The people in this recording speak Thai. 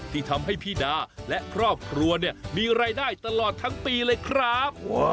ที่ทำให้พี่ดาและครอบครัวเนี่ยมีรายได้ตลอดทั้งปีเลยครับ